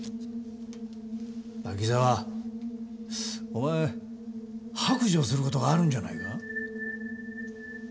お前白状する事があるんじゃないか？